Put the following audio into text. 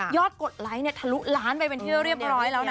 กดไลค์เนี่ยทะลุล้านไปเป็นที่เรียบร้อยแล้วนะ